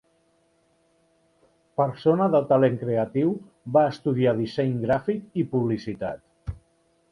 Persona de talent creatiu, va estudiar disseny gràfic i publicitat.